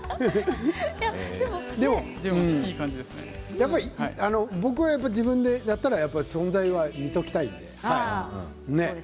やっぱり僕は自分でやったら存在は見ておきたいので。